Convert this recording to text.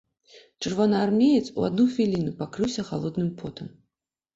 Чырвонаармеец у адну хвіліну пакрыўся халодным потам.